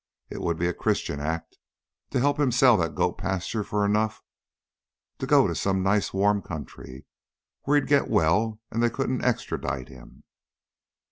It would be a Christian act to help him sell that goat pasture for enough to go to some nice warm country where he'd get well and they couldn't extradite him."